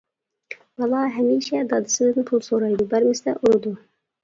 بالا ھەمىشە دادىسىدىن پۇل سورايدۇ، بەرمىسە ئۇرىدۇ.